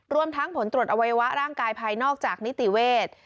รวมทั้งผลตรวจอวัยวะร่างกายภายนอกจากนิติเวทย์